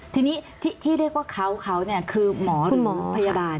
ทีนี้ที่เรียกว่าเขาคือหมอคุณหมอพยาบาล